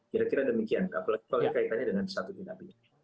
kira kira demikian apalagi kalau kaitannya dengan satu dinaminya